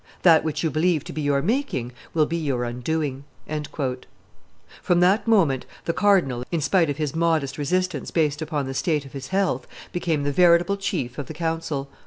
That which you believe to be your making will be your undoing." From that moment the cardinal, in spite of his modest resistance based upon the state of his health, became the veritable chief of the council.